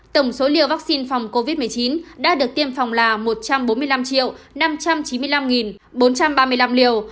tổng số liều vaccine phòng covid một mươi chín đã được tiêm phòng là một trăm bốn mươi năm năm trăm chín mươi năm bốn trăm ba mươi năm liều